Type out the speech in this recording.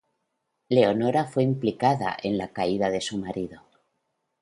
Leonora fue implicada en la caída de su marido.